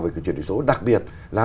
về cái truyền đổi số đặc biệt là